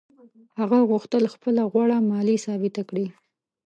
هغه غوښتل خپله غوړه مالي ثابته کړي.